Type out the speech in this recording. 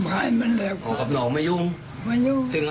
ที่นี้ท่านก็สร้างหยุดทรัพย์นี้นะนะ